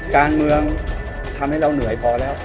การเมืองทำให้เราเหนื่อยพอแล้ว